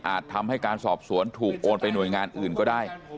ทำให้การสอบสวนถูกโอนไปหน่วยงานอื่นก็ได้